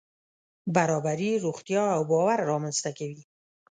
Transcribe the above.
برابري روغتیا او باور رامنځته کوي.